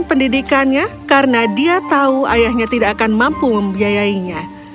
pendidikannya karena dia tahu ayahnya tidak akan mampu membiayainya